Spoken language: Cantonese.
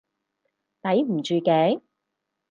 抵唔住頸？